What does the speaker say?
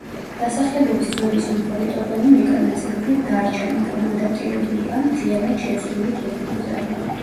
დასახლებების ძველი სომხური ტოპონიმიკა ნაწილობრივ დარჩა, მაგრამ ადაპტირებული ან მთლიანად შეცვლილი თურქულზე.